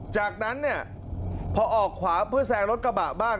จากนั้นเนี่ยพอออกขวาเพื่อแซงรถกระบะบ้าง